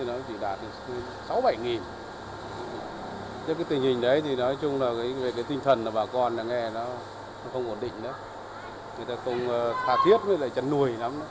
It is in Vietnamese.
người ta cũng thà thiết với lại chấn nuôi lắm